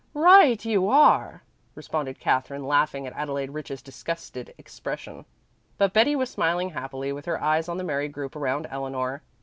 "Right you are!" responded Katherine, laughing at Adelaide Rich's disgusted expression. But Betty was smiling happily with her eyes on the merry group around Eleanor.